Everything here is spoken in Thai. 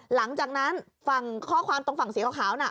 หลังจากนั้นฝั่งข้อความตรงฝั่งสีขาวน่ะ